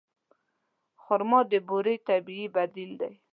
خرما د بوري طبیعي بدیل دی.